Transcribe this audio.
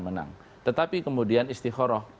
menang tetapi kemudian istikhuroh